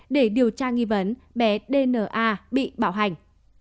để điều tra nghi vấn bé dna bị bảo hành